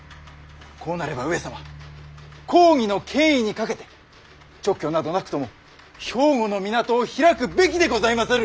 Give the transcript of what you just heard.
こうなれば上様公儀の権威にかけて勅許などなくとも兵庫の港を開くべきでございまする！